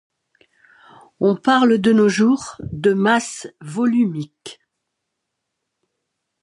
On parle de nos jours de masse volumique.